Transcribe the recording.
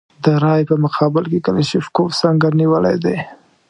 د رایې په مقابل کې کلاشینکوف سنګر نیولی دی.